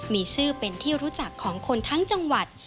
มีชื่อเป็นที่รู้จักของคนทั้งจังหวัด